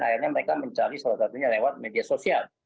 akhirnya mereka mencari salah satunya lewat media sosial